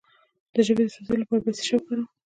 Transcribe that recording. د ژبې د سوځیدو لپاره باید څه شی وکاروم؟